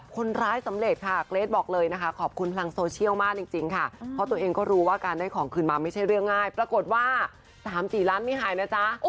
กำลังโซเชี่ยลมากจริงจริงค่ะเพราะตัวเองก็รู้ว่าการได้ของขึ้นไม่ใช่เรียงง่ายปรากฏว่าสามสี่ล้านไม่หายนะจ๊ะ